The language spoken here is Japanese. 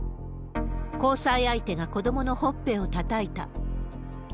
交際相手が子どものほっぺをたたいた。